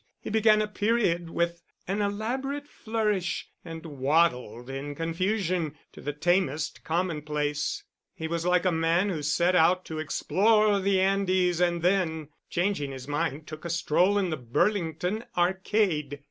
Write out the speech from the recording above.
He began a period with an elaborate flourish and waddled in confusion to the tamest commonplace: he was like a man who set out to explore the Andes and then, changing his mind, took a stroll in the Burlington Arcade.